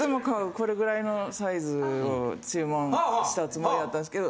これぐらいのサイズを注文したつもりやったんですけど。